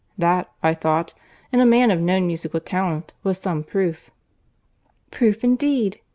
That, I thought, in a man of known musical talent, was some proof." "Proof indeed!"